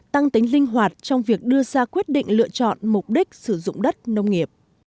tăng tính linh hoạt trong việc đưa ra quyết định lựa chọn mục đích sử dụng đất nông nghiệp